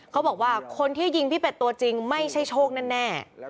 เขาบอกว่าคนที่ยิงพี่เป็ดตัวจริงไม่ใช่โชคแน่